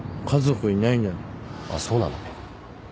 あっそうなの。